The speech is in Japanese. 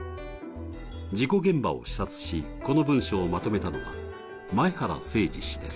事故現場を視察し、この文書をまとめたのは前原誠司氏です。